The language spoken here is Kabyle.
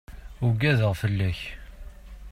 Ugadeɣ fell-ak.